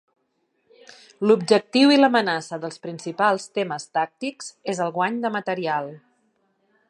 L'objectiu i l'amenaça dels principals temes tàctics és el guany de material.